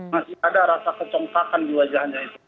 masih ada rasa kecongkakan di wajahnya itu